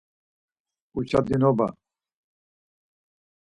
Uçodinoba...